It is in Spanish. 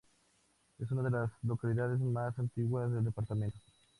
Es una de las localidades más antiguas del departamento.